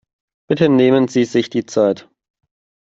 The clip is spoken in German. Bitte nehmen sie sich die Zeit.